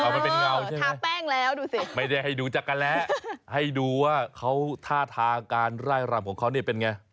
ก็ไม่ได้อย่างเงาใช่ไหมไม่ได้ให้ดูจักรแร้ให้ดูว่าเขาท่าทาการไล่รำของเขาเป็นอย่างไร